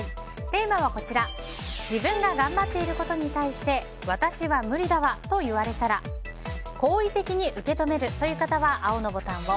テーマは自分が頑張っていることに対して「私は無理だわ」と言われたら好意的に受け止めるという方は青のボタンを。